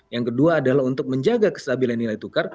yang kedua adalah untuk menjaga kestabilan nilai tukar